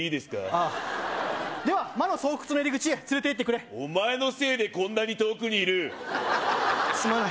ああでは魔の巣窟の入り口へ連れて行ってくれお前のせいでこんなに遠くにいるすまない